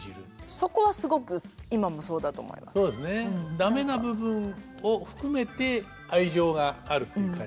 駄目な部分を含めて愛情があるっていう感じが。